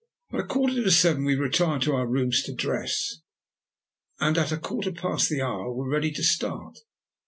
At a quarter to seven we retired to our rooms to dress, and at a quarter past the hour were ready to start.